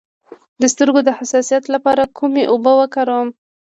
د سترګو د حساسیت لپاره کومې اوبه وکاروم؟